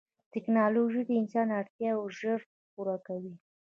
ټکنالوجي د انسان اړتیاوې ژر پوره کوي.